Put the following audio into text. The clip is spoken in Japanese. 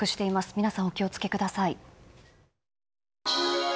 皆さん、お気を付けください。